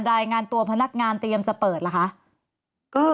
รายงานตัวพนักงานเตรียมจะเปิดเหรอคะ